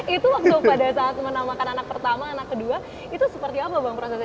itu waktu pada saat menamakan anak pertama anak kedua itu seperti apa bang prosesnya